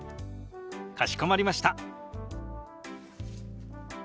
かしこまりました。